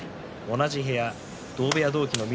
同じ部屋、同部屋同期の翠